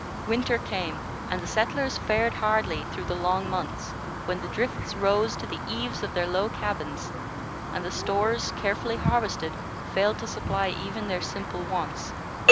Winter came, and the settlers fared hardly through the long months, when the drifts rose to the eaves of their low cabins, and the stores, carefully harvested, failed to supply even their simple wants.